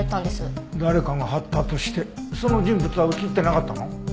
誰かが貼ったとしてその人物は映ってなかったの？